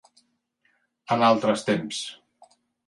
En altres temps.